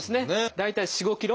大体４５ｋｇ。